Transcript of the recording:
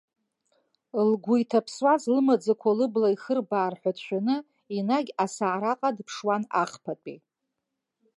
Лгәы иҭаԥсуаз лымаӡақәа лыбла ихырбаар ҳәа дшәаны, енагь асаараҟа дыԥшуан, ахԥатәи.